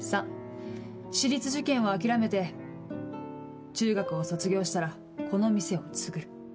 ３私立受験を諦めて中学を卒業したらこの店を継ぐ。